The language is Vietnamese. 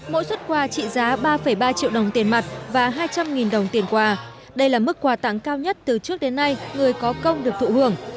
mỗi xuất quà trị giá ba ba triệu đồng tiền mặt và hai trăm linh đồng tiền quà đây là mức quà tặng cao nhất từ trước đến nay người có công được thụ hưởng